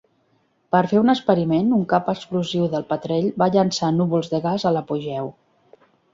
Per fer un experiment, un cap explosiu del Petrel va llançar núvols de gas a l'apogeu.